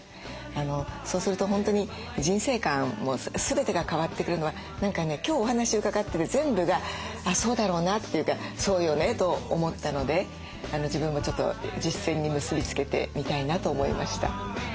そうすると本当に人生観も全てが変わってくるのは何かね今日お話伺ってて全部が「あっそうだろうな」っていうか「そうよね」と思ったので自分もちょっと実践に結び付けてみたいなと思いました。